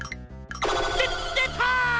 でっでた！